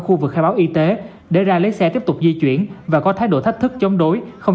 khu vực khai báo y tế để ra lấy xe tiếp tục di chuyển và có thái độ thách thức chống đối không